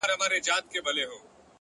هره تجربه د ژوند نوی درس ورکوي